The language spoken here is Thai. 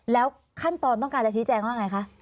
แล้วขั้นตอนต้องการจะชี้แจงว่าไงคะ